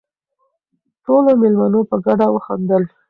ټولو مېلمنو په ګډه وخندل.